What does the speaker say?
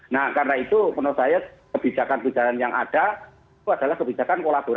nah karena itu menurut saya kebijakan kebijakan yang ada itu adalah kebijakan kolaborasi